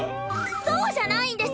そうじゃないんです。